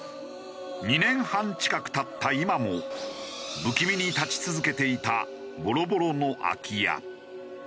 ２年半近く経った今も不気味に立ち続けていたボロボロの空き家。